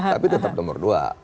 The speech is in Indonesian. tapi tetap nomor dua